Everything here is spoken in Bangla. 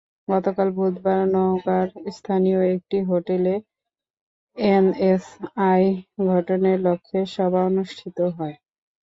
গতকাল বুধবার নওগাঁর স্থানীয় একটি হোটেলে এনএসআই গঠনের লক্ষ্যে সভা অনুষ্ঠিত হয়।